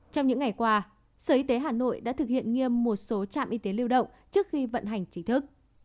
trong những ngày qua sở y tế hà nội đã thực hiện nghiêm một số trạm y tế lưu động trước khi vận hành chính thức